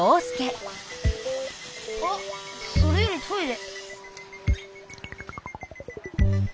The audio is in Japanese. あっそれよりトイレ。